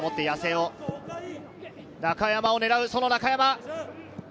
中山を狙う、その中山。